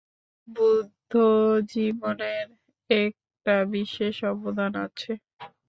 বুদ্ধ-জীবনের একটা বিশেষ অবদান আছে।